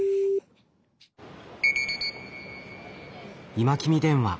「今君電話」。